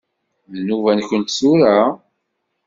D nnuba-nkent tura?